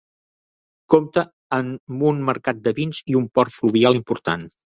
Compta amb un mercat de vins i un port fluvial important.